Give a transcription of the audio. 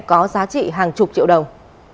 có giá trị hàng chục triệu đồng